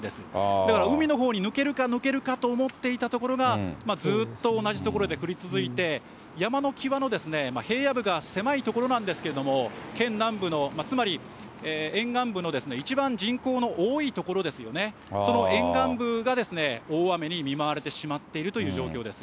だから、海のほうに抜けるか抜けるかと思っていたところが、ずっと同じ所で降り続いて、山の際の平野部が狭い所なんですけれども、県南部の、つまり沿岸部の一番人口の多い所ですよね、その沿岸部が大雨に見舞われてしまっているという状況です。